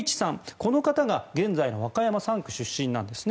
この方が現在の和歌山３区出身なんですね。